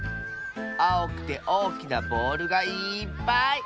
あおくておおきなボールがいっぱい！